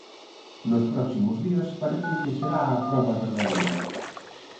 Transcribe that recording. Nos próximos días parece que será a proba verdadeira.